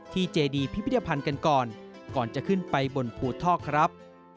เจดีพิพิธภัณฑ์กันก่อนก่อนจะขึ้นไปบนภูท่อครับ